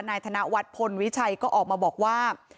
นายธนวัฒน์พลวิชัยก็ออกมาบอกว่า